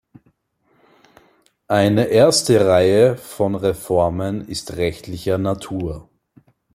Eine erste Reihe von Reformen ist rechtlicher Natur.